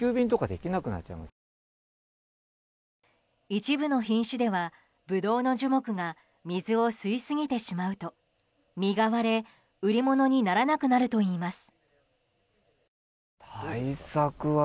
一部の品種ではブドウの樹木が水を吸いすぎてしまうと実が割れ売り物にならなくなるといいます。